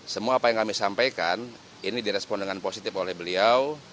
semua apa yang kami sampaikan ini direspon dengan positif oleh beliau